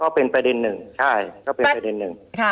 ก็เป็นประเด็นหนึ่งใช่ก็เป็นประเด็นหนึ่ง